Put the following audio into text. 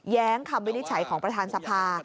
คำวินิจฉัยของประธานสภา